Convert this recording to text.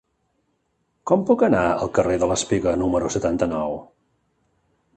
Com puc anar al carrer de l'Espiga número setanta-nou?